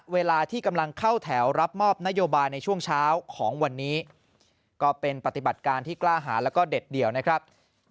เวลาที่กำลังเข้าแถวรับมอบนโยบายในช่วงเช้าของวันนี้ก็เป็นปฏิบัติการที่กล้าหาแล้วก็เด็ดเดี่ยวนะครับ